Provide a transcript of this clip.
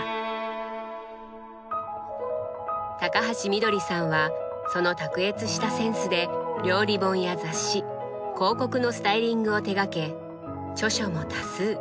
高橋みどりさんはその卓越したセンスで料理本や雑誌広告のスタイリングを手がけ著書も多数。